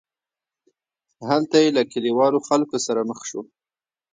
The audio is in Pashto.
هلته یې له کلیوالو خلکو سره مخ شو.